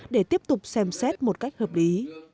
để tiếp tục xem xét một cách hợp lý